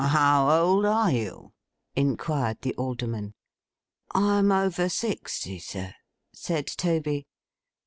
'How old are you?' inquired the Alderman. 'I'm over sixty, sir,' said Toby.